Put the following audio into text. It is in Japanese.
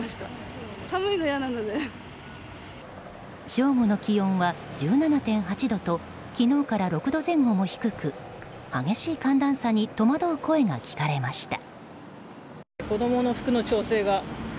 正午の気温は１７．８度と昨日から６度前後も低く激しい寒暖差に戸惑う声が聞かれました。